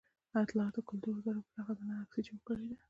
د اطلاعاتو او کلتور وزارت پټه خزانه عکسي چاپ کړې ده.